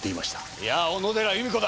いや小野寺由美子だ！